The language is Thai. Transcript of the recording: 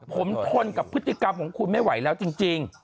ผมทนกับพฤติกรรมของคุณไม่ไหวแล้วจริง